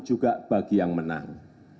juga bagi yang menang